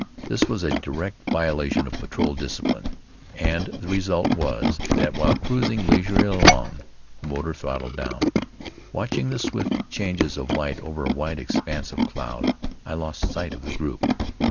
This was a direct violation of patrol discipline, and the result was, that while cruising leisurely along, with motor throttled down, watching the swift changes of light over a wide expanse of cloud, I lost sight of the group.